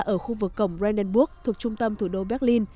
ở khu vực cổng brenburg thuộc trung tâm thủ đô berlin